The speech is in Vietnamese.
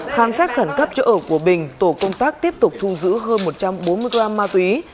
khám xét khẩn cấp chỗ ở của bình tổ công tác tiếp tục thu giữ hơn một trăm bốn mươi gram ma túy